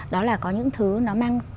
đó là có những thứ nó mang